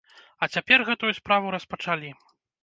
А цяпер гэтую справу распачалі.